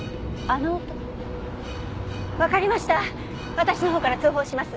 私のほうから通報します。